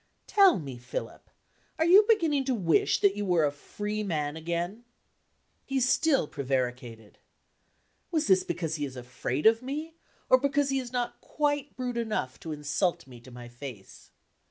"Tell me, Philip, are you beginning to wish that you were a free man again?" He still prevaricated. Was this because he is afraid of me, or because he is not quite brute enough to insult me to my face?